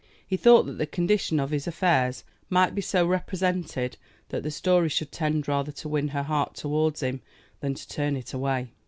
He thought that the condition of his affairs might be so represented that the story should tend rather to win her heart toward him than to turn it away.